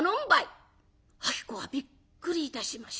子はびっくりいたしました。